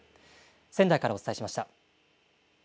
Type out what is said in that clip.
仙台からお伝えしました。